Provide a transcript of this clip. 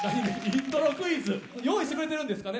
イントロクイズ？用意してくれてるんですか音は。